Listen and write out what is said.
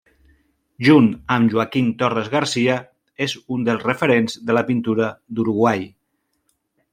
Junt amb Joaquim Torres-Garcia, és un dels referents de la pintura d'Uruguai.